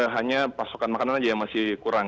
hanya pasokan makanan saja yang masih kurang